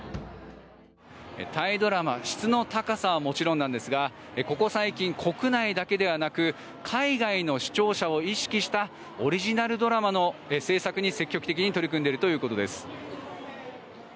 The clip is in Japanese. タイドラマ質の高さはもちろんなんですがここ最近、国内だけではなく海外の視聴者を意識したオリジナルドラマの制作に積極的に取り組んでいるということです。